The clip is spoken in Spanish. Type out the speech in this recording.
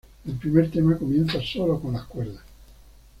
El primer tema comienza solo con las cuerdas.